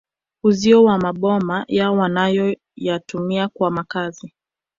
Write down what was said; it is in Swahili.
Uzio wa maboma yao wanayoyatumia kama makazi